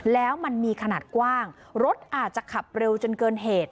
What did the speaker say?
แล้วมันมีขนาดกว้างรถอาจจะขับเร็วจนเกินเหตุ